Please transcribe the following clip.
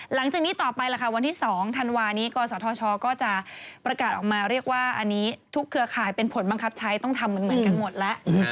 หลังจากนี้ต่อไปล่ะค่ะวันที่๒ธันวานี้กศธชก็จะประกาศออกมาเรียกว่าอันนี้ทุกเครือข่ายเป็นผลบังคับใช้ต้องทำเหมือนกันหมดแล้ว